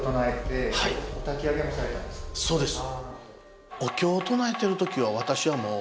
そうです。